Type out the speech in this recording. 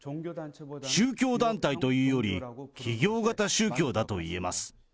宗教団体というより、企業型宗教だと言えます。